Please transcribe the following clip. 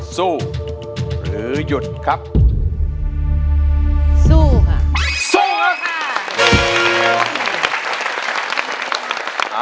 สู้หรือหยุดครับสู้ค่ะสู้ค่ะ